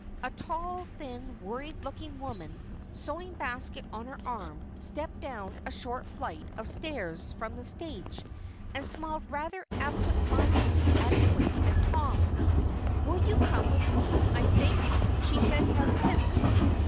A tall, thin, worried looking woman, sewing basket on her arm, stepped down a short flight of stairs from the stage and smiled rather absent mindedly at Twink and Tom. "You will come with me, I think?" she said hesitantly.